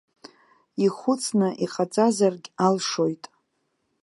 Ихәыцны иҟаҵазаргь алшоит.